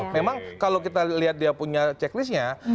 memang kalau kita lihat dia punya checklistnya